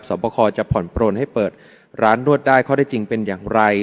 ประคอจะผ่อนปลนให้เปิดร้านนวดได้ข้อได้จริงเป็นอย่างไร